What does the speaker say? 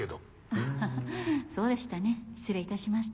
アハハそうでしたね失礼いたしました。